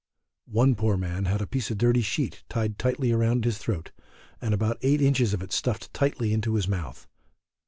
One poor man had a piece of dirty sheet tied tightly round his throat, and about eight inches of it stuffed tightly into his mouth.